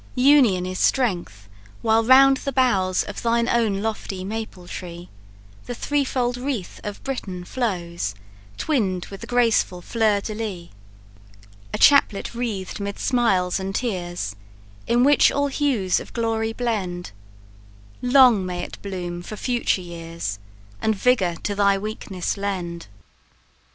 Union is strength, while round the boughs Of thine own lofty maple tree; The threefold wreath of Britain flows, Twined with the graceful fleur de lis; A chaplet wreathed mid smiles and tears, In which all hues of glory blend; Long may it bloom for future years, And vigour to thy weakness lend."